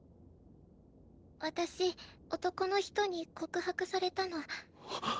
私男の人に告白されたの